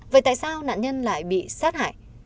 vậy tại sao nạn nhân lại bị sát hại